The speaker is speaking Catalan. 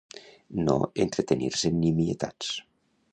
No entretenir-se en nimietats.